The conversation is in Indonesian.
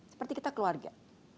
seperti kita keluarga